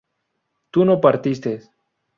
tú no partiste